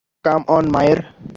কাম on মায়ের।